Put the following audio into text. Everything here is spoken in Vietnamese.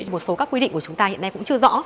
một số các quy định của chúng ta hiện nay cũng chưa rõ